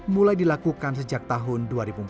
mulai dilakukan sejak tahun